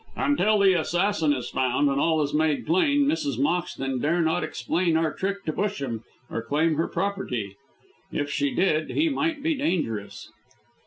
Until the assassin is found, and all is made plain, Mrs. Moxton dare not explain our trick to Busham or claim her property. If she did he might be dangerous."